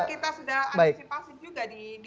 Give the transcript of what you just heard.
kita sudah antisipasi juga di